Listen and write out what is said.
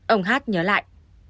ông hát nhớ lại